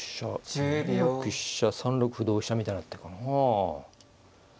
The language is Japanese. ２六飛車３六歩同飛車みたいな手かな。